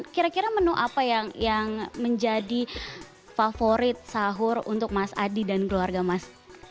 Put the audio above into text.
kira kira menu apa yang menjadi favorit sahur untuk mas adi dan keluarga mas